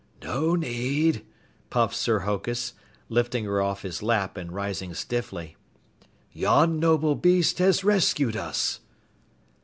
"No need," puffed Sir Hokus, lifting her off his lap and rising stiffly. "Yon noble beast has rescued us."